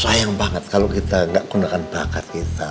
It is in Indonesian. sayang banget kalau kita nggak gunakan bakat kita